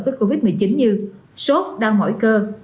với covid một mươi chín như sốt đau mỏi cơ